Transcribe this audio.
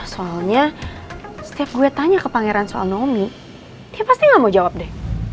soalnya setiap gue tanya ke pangeran soal nomi dia pasti gak mau jawab deh